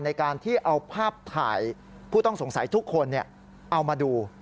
ในการที่เอาภาพถ่ายผู้ต้องสงสัยทุกคนเอามาดู